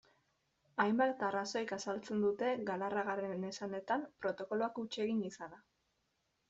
Hainbat arrazoik azaltzen dute, Galarragaren esanetan, protokoloak huts egin izana.